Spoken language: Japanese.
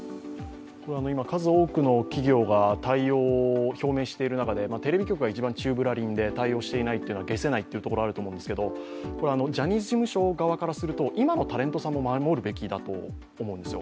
今、数多くの企業が対応を表明している中で、テレビ局が一番宙ぶらりんで対応していないというのはげせないというところはあると思うんですがジャニーズ事務所側からすると、今のタレントさんを守るべきだと思うんですよ。